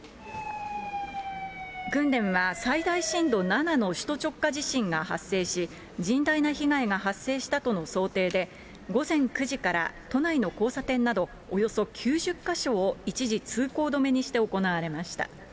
訓練は最大震度７の首都直下地震が発生し、甚大な被害が発生したとの想定で、午前９時から都内の交差点などおよそ９０か所を一時通行止めにして行われました。